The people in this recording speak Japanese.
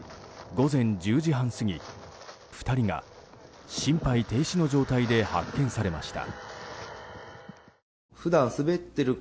午前１０時半過ぎ２人が心肺停止の状態で発見されました。